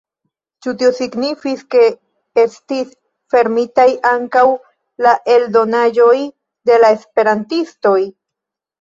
Ĉu tio signifis, ke estis fermitaj ankaŭ la eldonaĵoj de la esperantistoj?